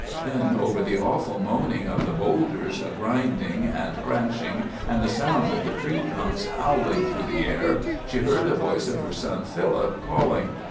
Then, over the awful moaning of the boulders grinding and crashing and the sound of the tree trunks howling through the air, she heard the voice of her son, Phillip, calling.